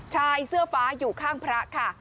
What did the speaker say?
ชายเสื้อฟ้าอยู่ข้างพระค่ะ